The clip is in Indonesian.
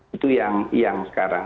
itu yang sekarang